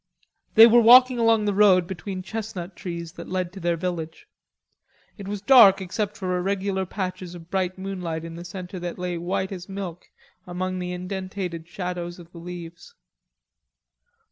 They were walking along the road between chestnut trees that led to their village. It was dark except for irregular patches of bright moonlight in the centre that lay white as milk among the indentated shadows of the leaves.